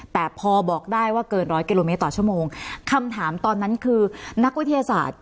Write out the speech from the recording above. แต่พอบอกได้ว่าเกินร้อยกิโลเมตรต่อชั่วโมงคำถามตอนนั้นคือนักวิทยาศาสตร์